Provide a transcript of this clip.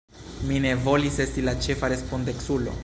Mi ne volis esti la ĉefa respondeculo.